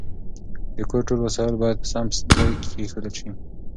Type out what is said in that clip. د کور ټول وسایل باید په سم ځای کې کېښودل شي.